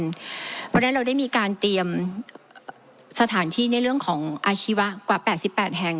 เพราะฉะนั้นเราได้มีการเตรียมสถานที่ในเรื่องของอาชีวะกว่า๘๘แห่ง